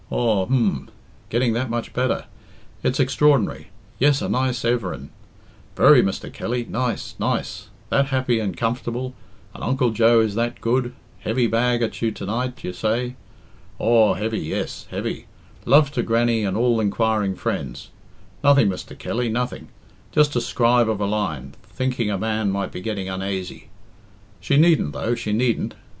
Aw, h'm getting that much better it's extraordinary Yes, a nice everin', very, Mr. Kelly, nice, nice that happy and comfortable and Uncle Joe is that good heavy bag at you to night, you say? Aw, heavy, yes, heavy love to Grannie and all inquiring friends nothing, Mr. Kelly, nothing just a scribe of a line, thinking a man might be getting unaisy. She needn't, though she needn't.